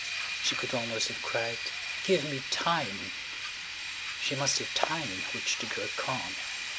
She could almost have cried: "Give me time." She must have time in which to grow calm.